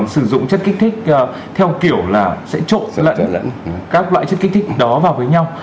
sử dụng chất kích thích theo kiểu là sẽ trộn lại các loại chất kích thích đó vào với nhau